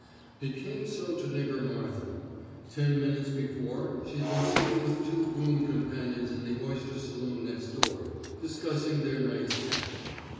It came so to Nigger Martha. Ten minutes before she had been sitting with two boon companions in the oyster saloon next door, discussing their night's catch.